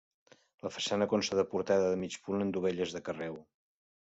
La façana consta de portada de mig punt amb dovelles de carreu.